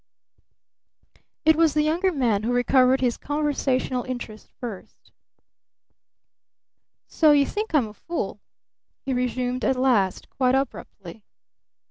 It was the Younger Man who recovered his conversational interest first. "So you think I'm a fool?" he resumed at last quite abruptly.